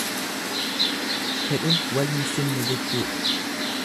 Fedhin wal hin simne jechuudha.